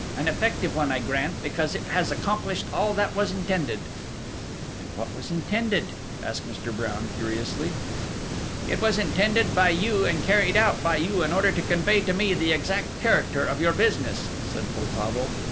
An effective one, I grant, because it has accomplished all that was intended." "And what was intended?" asked Mr. Brown curiously. "It was intended by you and carried out by you in order to convey to me the exact character of your business," said Poltavo.